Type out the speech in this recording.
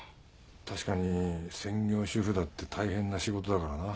確かに専業主夫だって大変な仕事だからな。